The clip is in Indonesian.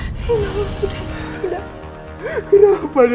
enggak mau udah sayang udah